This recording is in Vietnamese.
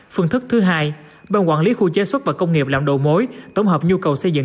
phương thức thứ hai ban quản lý khu chế xuất và công nghiệp làm đồ mối tổng hợp nhu cầu xây dựng